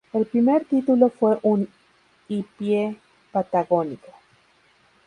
El primer título fue "Un hippie patagónico".